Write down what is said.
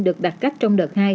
được đặt cách trong đợt hai